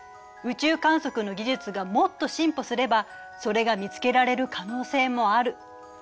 宇宙観測の技術がもっと進歩すればそれが見つけられる可能性もある。